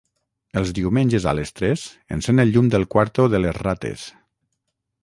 Els diumenges a les tres encèn el llum del quarto de les rates.